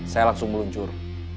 saya langsung meluncur